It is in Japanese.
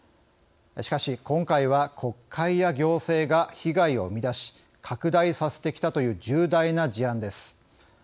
しかし、今回は国会や行政が被害を生み出し拡大させてきたという重大な事案です。